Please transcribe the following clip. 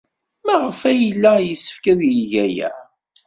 Maɣef ay yella yessefk ad yeg aya?